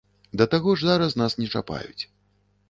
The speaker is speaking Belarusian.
Да таго ж зараз нас не чапаюць.